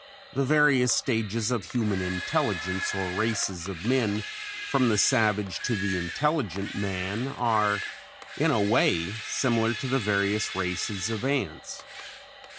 The various stages of human intelligence or races of men from the savage to the intelligent man are in a way similar to the various races of ants.